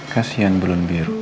kasian belum biru